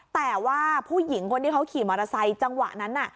แต่ว่าผู้หญิงคนที่เขาขี่มอเตอร์ไซค์จังหวะนั้นน่ะ